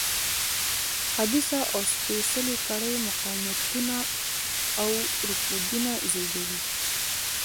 خبیثه او سپېڅلې کړۍ مقاومتونه او رکودونه زېږوي.